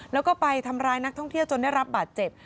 แล้วก็ไปทำร้ายนักท่องเที่ยวจนได้รับบาดเจ็บ